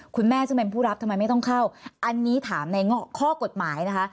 คุณแม่ซึ่งเป็นผู้รับทำไมไม่ต้องเข้าอันนี้ถามในข้อกฎหมายนะคะ